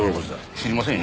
知りませんよ。